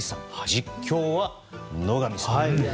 実況は野上さんです。